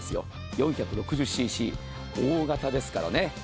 ４６０ｃｃ、大型ですからね。